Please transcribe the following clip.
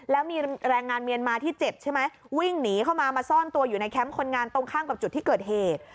แล้วมีแรงงานเมียนมาที่เจ็บใช่ไหมวิ่งหนีเข้ามามาซ่อนตัวอยู่ในแคมป์คนงานตรงข้ามกับจุดที่เกิดเหตุ